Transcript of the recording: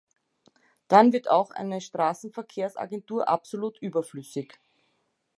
Dann wird auch eine Straßenverkehrsagentur absolut überflüssig.